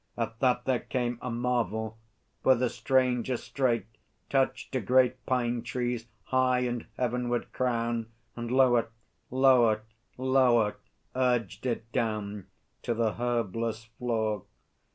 At that There came a marvel. For the Stranger straight Touched a great pine tree's high and heavenward crown, And lower, lower, lower, urged it down To the herbless floor.